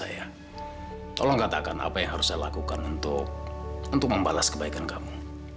saya tolong katakan apa yang harus saya lakukan untuk membalas kebaikan kamu